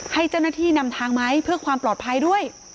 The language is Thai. ให้เจ้าหน้าที่นำทางไหมเพื่อความปลอดภัยด้วย